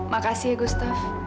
makasih ya gustaf